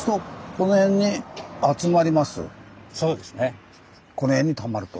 この辺にたまると。